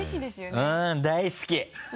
うん大好き！